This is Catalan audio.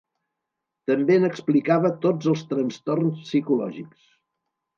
També n"explicava tots els trastorns psicològics.